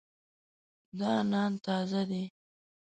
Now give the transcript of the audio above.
دا نان تازه دی.